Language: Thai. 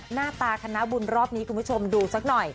หน้าตาคณะบุญรอบนี้คุณผู้ชมดูสักหน่อย